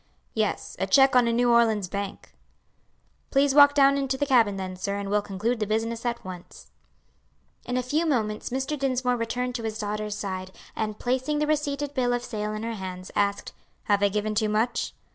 "Yes, a check on a New Orleans bank." "Please walk down into the cabin then, sir, and we'll conclude the business at once." In a few moments Mr. Dinsmore returned to his daughter's side, and placing the receipted bill of sale in her hands, asked, "Have I given too much?"